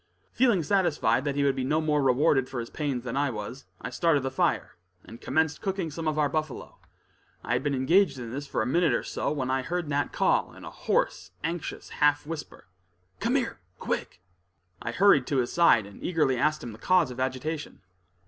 Feeling satisfied that he would be no more rewarded for his pains than I was, I started the fire, and commenced cooking some of our buffalo, I had been engaged in this for a minute or so, when I heard Nat call, in a hoarse, anxious, half whisper: "Come here, quick!" I hurried to his side and eagerly asked him the cause of agitation.